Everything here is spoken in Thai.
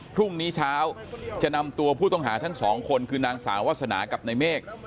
พรุ่งนี้เช้าจะนำตัวผู้ต้องหาทั้งสองคนคือนางสาววาสนากับในเมฆ